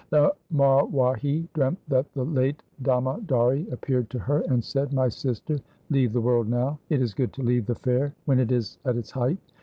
The Marwahi dreamt that the late Damodari appeared to her and said, ' My sister, leave the world now. It is good to leave the fair when it is at its height.